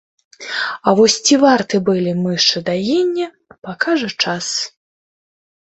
А вось ці варты былі мышы даення, пакажа час.